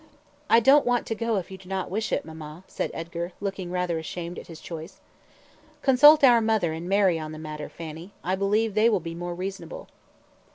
"I don't want to go if you do not wish it, mamma," said Edgar, looking rather ashamed at his choice. "Consult our mother and Mary on the matter, Fanny; I believe they will be more reasonable."